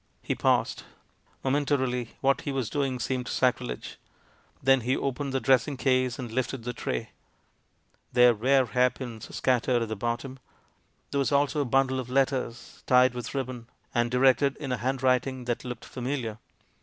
He paused. Momentarily, what he was doing seemed sacrilege. Then he opened the dressing case and lifted the tray. There were hairpins scattered at the bottom. There was also a bundle of letters, tied with rib bon, and directed in a handwriting that looked familiar.